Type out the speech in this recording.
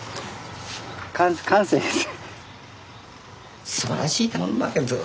感性です。